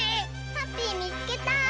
ハッピーみつけた！